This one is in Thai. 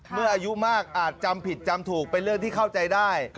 อายุมากอาจจำผิดจำถูกเป็นเรื่องที่เข้าใจได้